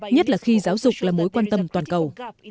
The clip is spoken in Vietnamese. nhất là khi giáo dục là mối quan tâm toàn cầu